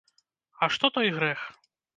А што той грэх?